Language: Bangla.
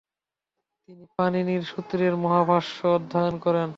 তিনি পাণিনির সূত্রের মহাভাষ্য অধ্যয়ন করেন।